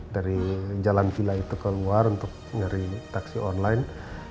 dari jalan villa itu ke luar untuk dari taksi online